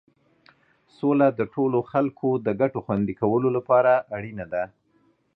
سوله د ټولو خلکو د ګټو خوندي کولو لپاره اړینه ده.